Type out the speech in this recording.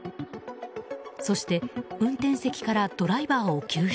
そして運転席からドライバーを救出。